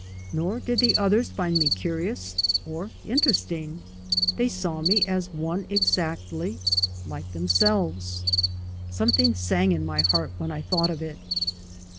Nor did the others find me curious, or — in teresting. They saw me as one exactly — like themselves. Something sang in my heart when I thought of it.